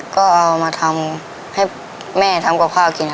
ก็เอามาทำให้แม่ทำกับข้าวกินค่ะ